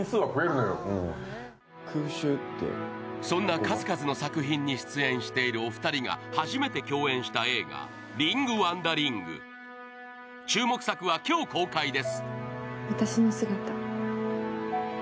そんな数々の作品に出演しているお二人が初めて共演した映画「リング・ワンダリング」注目作は今日公開です。